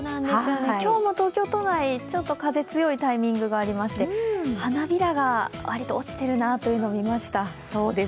今日も東京都内ちょっと風強いタイミングがありまして花びらが割と落ちているなというのをみました。